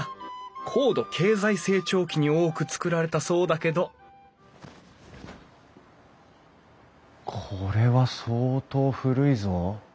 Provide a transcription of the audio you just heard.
高度経済成長期に多く造られたそうだけどこれは相当古いぞ。